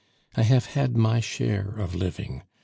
I have had my share of living.